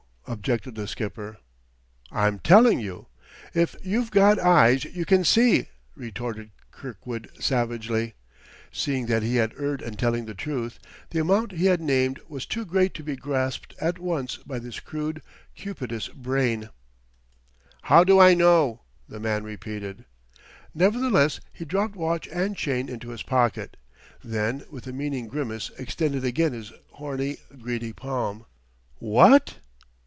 objected the skipper. "I'm telling you. If you've got eyes, you can see," retorted Kirkwood savagely, seeing that he had erred in telling the truth; the amount he had named was too great to be grasped at once by this crude, cupidous brain. "How do I know?" the man repeated. Nevertheless he dropped watch and chain into his pocket, then with a meaning grimace extended again his horny, greedy palm. "What...?"